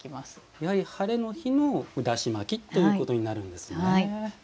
やはりハレの日のだし巻きということになるんですね。